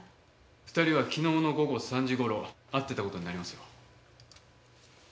２人は昨日の午後３時頃会ってた事になりますよ。